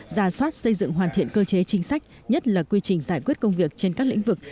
ra soát xây dựng hoàn thiện cơ chế chính sách nhất là quy trình giải quyết công việc trên các lĩnh vực